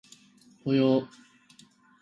ぽよー